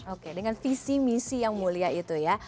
oke dengan visi misi yang mulia itu ya